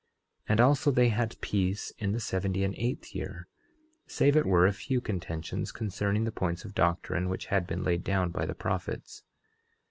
11:22 And also they had peace in the seventy and eighth year, save it were a few contentions concerning the points of doctrine which had been laid down by the prophets.